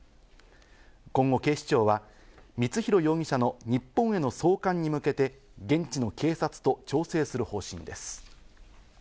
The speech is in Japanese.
今後、警視庁は光弘容疑者の日本への送還に向けて現地の警察と調整する方針です。